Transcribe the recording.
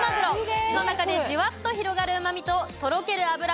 口の中でじわっと広がるうまみととろける脂はまさに絶品。